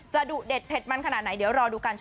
ดุเด็ดเผ็ดมันขนาดไหนเดี๋ยวรอดูกัน